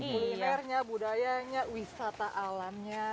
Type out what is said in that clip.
kulinernya budayanya wisata alamnya